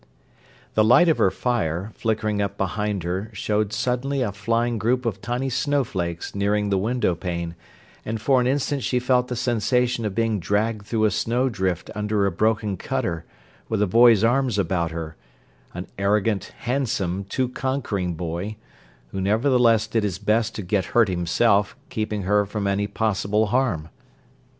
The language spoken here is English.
The light of her fire, flickering up behind her showed suddenly a flying group of tiny snowflakes nearing the window pane; and for an instant she felt the sensation of being dragged through a snows drift under a broken cutter, with a boy's arms about her—an arrogant, handsome, too conquering boy, who nevertheless did his best to get hurt himself, keeping her from any possible harm.